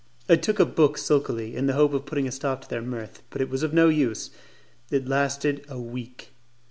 I took a book sulkily, in the hope of putting a stop to their mirth, but it was of no use: it lasted a week.